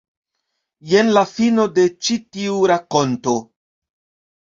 Jen la fino de ĉi tiu rakonto.